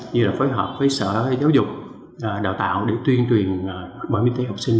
như là phối hợp với sở giáo dục đào tạo để tuyên truyền bảo hiểm y tế học sinh